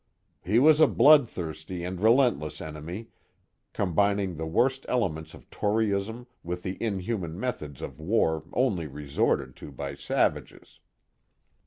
*' He was a bloodthirsty and relentless enemy, com bining the worst elements of toryism with the inhuman meth ods of war only resorted to by savages."